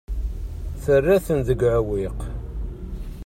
Terra-ten deg uɛewwiq.